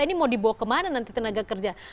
ini mau dibawa kemana nanti tenaga kerja